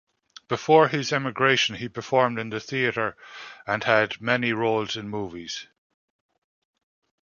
Before his emigration he performed in the theater and had many roles in movies.